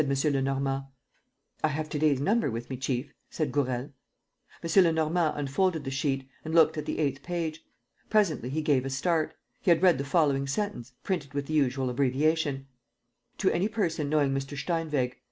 Lenormand. "I have to day's number with me, chief," said Gourel. M. Lenormand unfolded the sheet and looked at the eighth page. Presently, he gave a start. He had read the following sentence, printed with the usual abbreviation: "To any person knowing Mr. Steinweg.